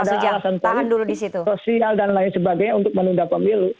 ada alasan politik sosial dan lain sebagainya untuk menunda pemilu